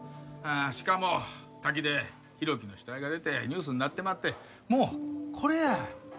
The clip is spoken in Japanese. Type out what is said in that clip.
しかも滝で浩喜の死体が出てニュースになってまってもうこれや。